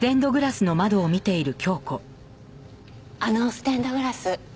あのステンドグラス